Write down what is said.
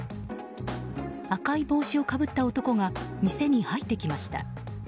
赤い帽子をかぶった男が店に入ってきました。